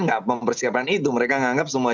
nggak mempersiapkan itu mereka menganggap semua